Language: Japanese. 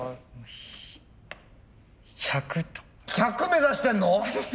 １００目指してんの？